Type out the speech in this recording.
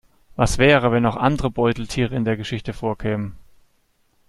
Was wäre, wenn noch andere Beuteltiere in der Geschichte vorkämen?